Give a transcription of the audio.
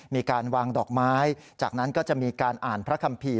มีการวางดอกไม้จากนั้นก็จะมีการอ่านพระคัมภีร์